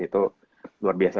itu luar biasa